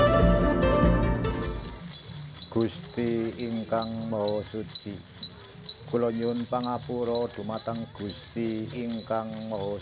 mujur ajaranku g hong mak precisa kan kita mengambil buah tangga yang sangat months